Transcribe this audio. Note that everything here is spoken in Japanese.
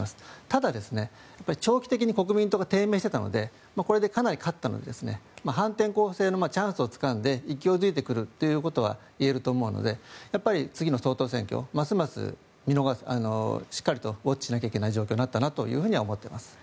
ただ、長期的に国民党が低迷していたのでこれでかなり勝ったので反転攻勢のチャンスをつかんで勢い付いてくるということはいえると思うので次の総統選挙ますますしっかりとウォッチしなければいけない状況になったなとは思っています。